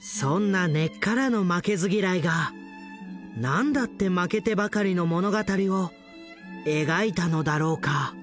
そんな根っからの負けず嫌いがなんだって負けてばかりの物語を描いたのだろうか？